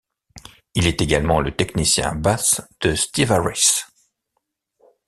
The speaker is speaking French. Il est également le technicien basse de Steve Harris.